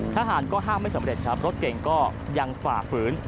ทหารก็ห้ามไม่สำเร็จครับรถเก่งก็ยังฝ่าฝืน